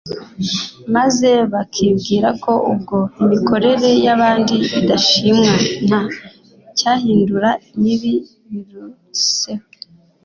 maze bakibwira ko ubwo imikorere y'abandi idashimwa nta cyayihindura mibi biruseho.